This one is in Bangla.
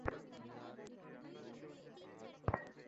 বলা যায় না ভাই।